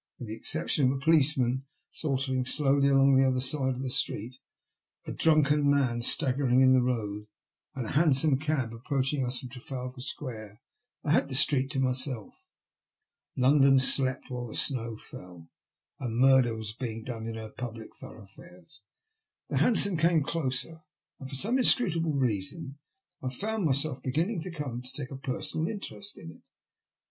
With the exception of a police man sauntering slowly along on the other side of the street, a drunken man staggering in the road, and a hansom cab approaching us from Trafalgar Square, I had the street to myself. London slept while the snow fell, and murder was being done in her public thoroughfares. The hansom came closer, and for some inscrutable reason I found myself beginning to take a personal interest in it.